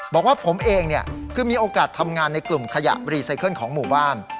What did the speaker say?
บอกว่าผมเองคือมีโอกาสทำงานในกลุ่มขยะรีไซเคิลของหมู่บ้าน